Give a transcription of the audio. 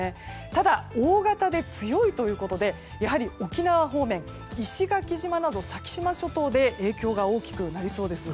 ただ、大型で強いということでやはり沖縄方面石垣島など先島諸島で影響が大きくなりそうです。